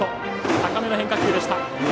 高めの変化球でした。